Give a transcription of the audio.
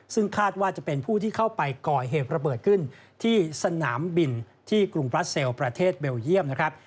ซึ่งคาดว่าจะเป็นผู้ที่เข้าไปก่อเหตุระเบิดขึ้นที่สนามบินที่กรุงบราเซลประเทศเบลเยี่ยมนะครับ